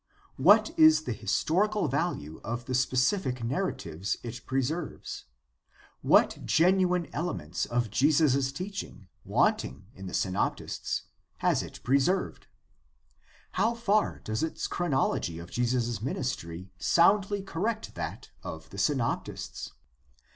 What is the his torical value of the specific narratives it preserves ? What genuine elements of Jesus' teaching, wanting in the Synoptists, has it preserved ? How far does its chronology of Jesus' ministry soundly correct that of the Synoptists